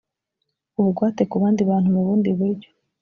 ubugwate ku bandi bantu mu bundi buryo